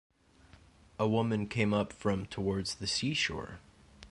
A woman came up from towards the sea shore.